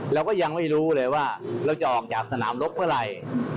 เราก็ยังไม่รู้เลยว่าเราจะออกจากสนามรบเมื่อไหร่